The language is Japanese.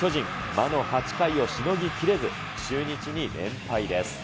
魔の８回をしのぎ切れず、中日に連敗です。